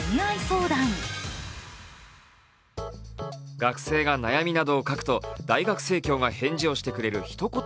学生が悩みなどを書くと大学生協が返事をしてくれるひとこと